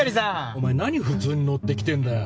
お前何普通に乗ってきてるんだよ。